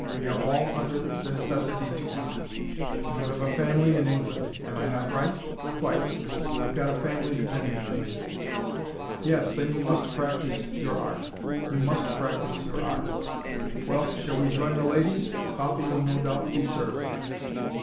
We are all under the necessity to eat. And you have a family in England? Am I not right?" "Quite. I've got a family depending on me." "Yes, then you must practice your art: you must practice your art. Well shall we join the ladies? Coffee will no doubt be served."